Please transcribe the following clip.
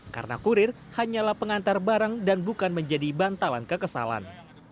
karena kurir hanyalah pengantar barang dan bukan menjadi bantalan kekesalan